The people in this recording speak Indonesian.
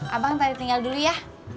abang tadi tinggal dulu ya